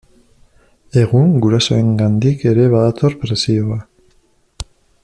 Egun gurasoengandik ere badator presioa.